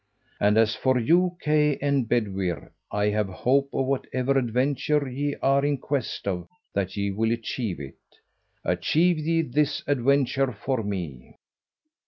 And as for you, Kay and Bedwyr, I have hope of whatever adventure ye are in quest of, that ye will achieve it. Achieve ye this adventure for me."